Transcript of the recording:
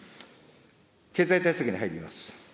経済対策に入ります。